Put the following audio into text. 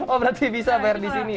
oh berarti bisa bayar di sini